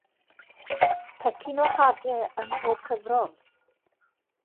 Pecyn o hadau ymhob cyfrol.